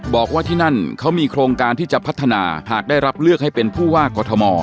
บอกว่าที่นั่นเขามีโครงการที่จะพัฒนาหากได้รับเลือกให้เป็นผู้ว่ากอทม